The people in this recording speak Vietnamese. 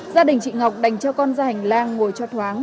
gia đình chị ngọc đành cho con ra hành lang ngồi cho thoáng